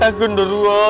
takut dulu loh